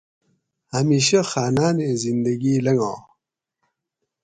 ہمیشہ خانانیں زندگی لنگاٞں